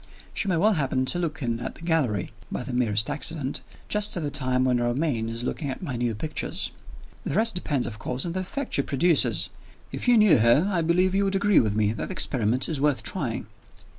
She may well happen to look in at the gallery (by the merest accident) just at the time when Romayne is looking at my new pictures. The rest depends, of course, on, the effect she produces. If you knew her, I believe you would agree with me that the experiment is worth trying."